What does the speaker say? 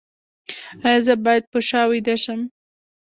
ایا زه باید په شا ویده شم؟